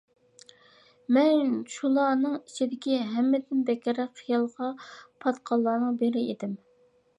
مەن شۇلارنىڭ ئىچىدىكى ھەممىدىن بەكرەك خىيالغا پاتقانلارنىڭ بىرى ئىدىم.